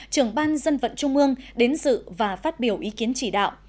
trưởng ban dân vận trung ương đến dự và phát biểu ý kiến chỉ đạo